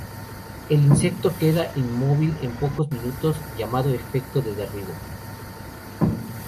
El insecto queda inmóvil en pocos minutos, llamado "efecto de derribo".